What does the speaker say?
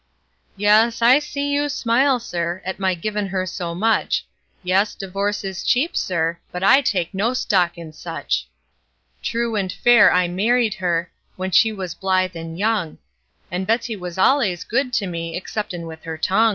Yes, I see you smile, Sir, at my givin' her so much; Yes, divorce is cheap, Sir, but I take no stock in such! True and fair I married her, when she was blithe and young; And Betsey was al'ays good to me, exceptin' with her tongue.